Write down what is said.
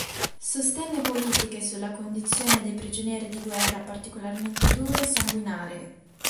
Sostenne politiche sulla condizione dei prigionieri di guerra particolarmente dure e sanguinarie.